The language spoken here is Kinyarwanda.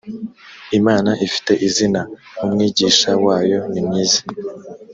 imana ifite izina umwigisha wayo nimwiza